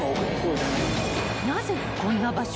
［なぜこんな場所？